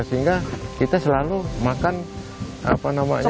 sehingga kita selalu makan apa namanya